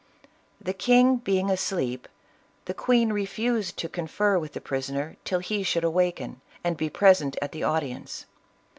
The king being asleep, the queen refused to confer with the prisoner till he should awaken and be present at the audience.